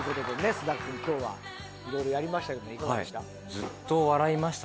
菅田君今日は色々やりましたけどいかがでした？